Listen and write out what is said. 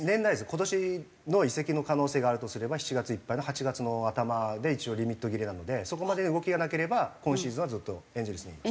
今年の移籍の可能性があるとすれば７月いっぱいの８月の頭で一応リミット切れなのでそこまでに動きがなければ今シーズンはずっとエンゼルスに。